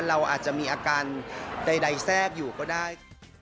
เราอาจจะมีอาการใดแทรกอยู่ก็ได้